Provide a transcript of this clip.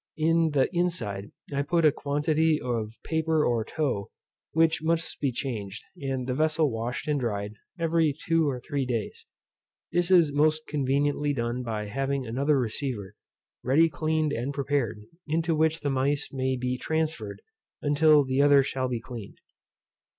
In the inside I put a quantity of paper or tow, which must be changed, and the vessel washed and dried, every two or three days. This is most conveniently done by having another receiver, ready cleaned and prepared, into which the mice may be transferred till the other shall be cleaned.